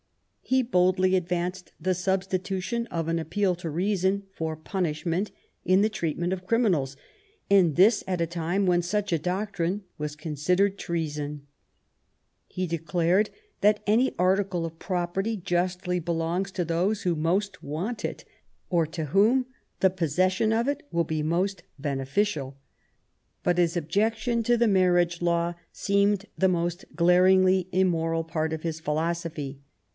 He boldly advanced the substitution of an appeal to reason for punishment in the treatment of criminals, and this at a time when such a doctrine was considered treason* He declared that any article of property justly belong* to those who most want it, ^' or to whom the posses sion of it will be most beneficial." But his objection to the marriage law seemed the most glaringly im moral part of his philosophy.